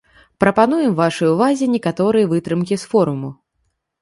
Прапануем вашай увазе некаторыя вытрымкі з форуму.